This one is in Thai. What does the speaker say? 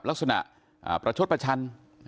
สวัสดีคุณผู้ชมครับสวัสดีคุณผู้ชมครับ